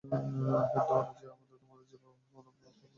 কিন্তু, ওরা যে তোমাকে যেভাবেই হোক আনপ্লাগ করবে না তার নিশ্চয়তা কী?